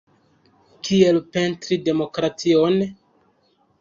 Kiel pentri demokration?